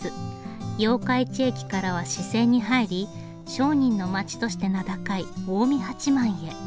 八日市駅からは支線に入り商人の街として名高い近江八幡へ。